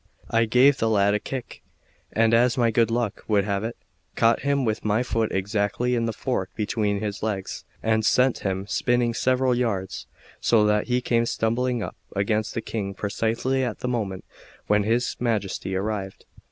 I gave the lad a kick, and, as my good luck would have it, caught him with my foot exactly in the fork between his legs, and sent him spinning several yards, so that he came stumbling up against the King precisely at the moment when his Majesty arrived.